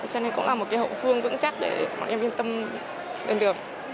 cho nên cũng là một cái hậu phương vững chắc để mọi người yên tâm đơn đường